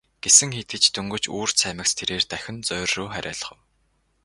Гэсэн хэдий ч дөнгөж үүр цаймагц тэрээр дахин зоорьруу харайлгав.